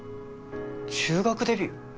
中学デビュー？